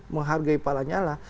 menghargai pak lanyala